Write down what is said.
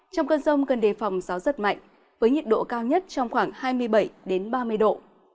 trong cơn rông gần đề phòng gió giật mạnh với nhiệt độ cao nhất trong khoảng hai mươi bảy đến ba mươi độ